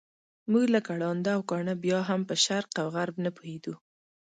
موږ لکه ړانده او کاڼه بیا هم په شرق او غرب نه پوهېدو.